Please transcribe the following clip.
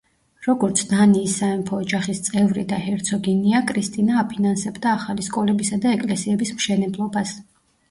როგორც დანიის სამეფო ოჯახის წევრი და ჰერცოგინია, კრისტინა აფინანსებდა ახალი სკოლებისა და ეკლესიების მშენებლობას.